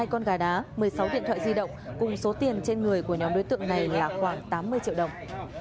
hai con gà đá một mươi sáu điện thoại di động cùng số tiền trên người của nhóm đối tượng này là khoảng tám mươi triệu đồng